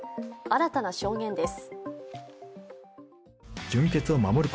新たな証言です。